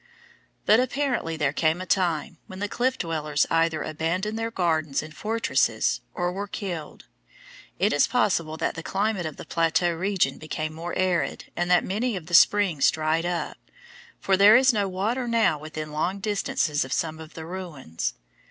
But apparently there came a time when the Cliff Dwellers either abandoned their gardens and fortresses or were killed. It is possible that the climate of the plateau region became more arid and that many of the springs dried up, for there is no water now within long distances of some of the ruins.